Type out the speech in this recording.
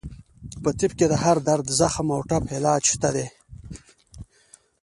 په طب کې د هر درد، زخم او ټپ علاج شته دی.